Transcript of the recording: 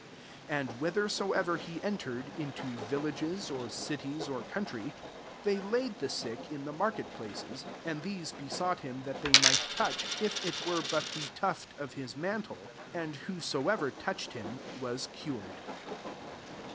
56 And whkhersoever he entered, into villages, or cities, or coun try, tkey laid the sick in the market places, and the&e be sought him that they might touch, if it were but the tuft of his mantle : and whoaoev^ touched him was cured.